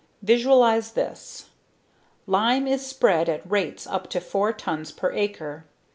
Visualize this! Lime is spread at rates up to four tons per acre.